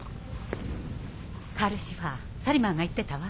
カルシファーサリマンが言ってたわ。